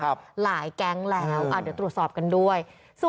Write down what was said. หลายแก๊งแล้วเดี๋ยวตรวจสอบกันด้วย